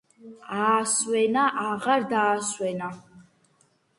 აასვენა, აღარ დაასვენა